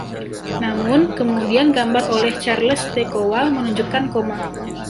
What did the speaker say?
Namun, kemudian gambar oleh Charles T. Kowal menunjukkan koma.